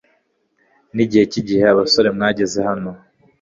Nigihe cyigihe abasore mwageze hano